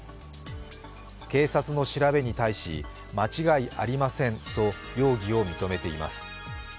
警察の調べに対し、間違いありませんと容疑を認めています。